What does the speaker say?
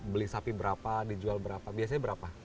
beli sapi berapa dijual berapa biasanya berapa